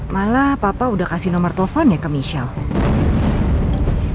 malah papa udah kasih nomor teleponnya ke michelle